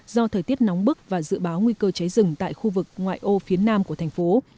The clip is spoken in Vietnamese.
do thời tiết nóng bức và dự báo nguy cơ cháy rừng tại khu vực ngoại ô phía nam của thành phố